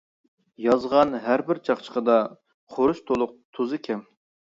يازغان ھەربىر چاقچىقىدا، خۇرۇچ تولۇق تۇزى كەم.